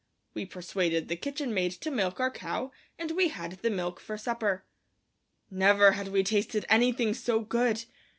We persuaded the kitchen maid to milk our cow and we had the milk for supper. Never had we tasted anything so good!